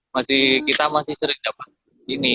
masih kita masih sering dapat ini